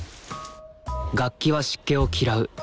楽器は湿気を嫌う。